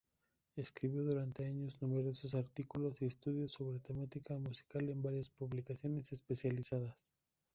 Escribió durante años numerosos artículos y estudios sobre temática musical en varias publicaciones especializadas.